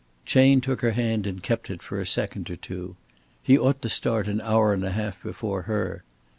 Chayne took her hand and kept it for a second or two. He ought to start an hour and a half before her.